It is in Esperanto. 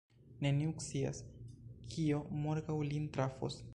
Neniu scias, kio morgaŭ lin trafos.